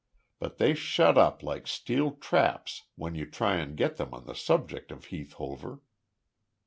But they shut up like steel traps when you try and get them on the subject of Heath Hover."